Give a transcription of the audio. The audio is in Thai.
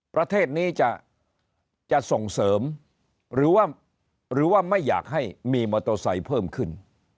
ประเทศนี้จะส่งเสริมหรือว่าหรือว่าไม่อยากให้มีมอเตอร์ไซค์เพิ่มขึ้น